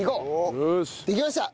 できました。